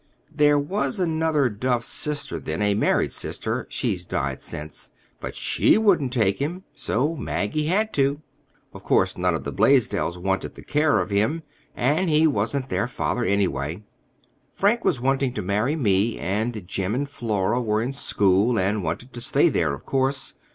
There was another Duff sister then—a married sister (she's died since), but she wouldn't take him, so Maggie had to. Of course, none of the Blaisdells wanted the care of him—and he wasn't their father, anyway. Frank was wanting to marry me, and Jim and Flora were in school and wanted to stay there, of course.